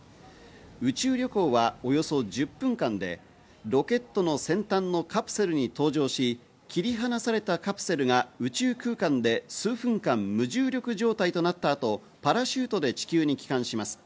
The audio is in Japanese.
宇宙旅行はおよそ１０分間で、ロケットの先端のカプセルに搭乗し、切り離されたカプセルが宇宙空間で数分間無重力状態となった後、パラシュートで地球に帰還します。